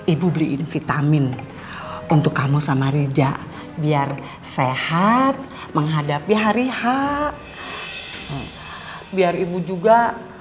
ibu beliin vitamin untuk kamu sama rija biar sehat menghadapi hari h biar ibu juga